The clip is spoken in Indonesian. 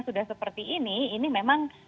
sudah seperti ini ini memang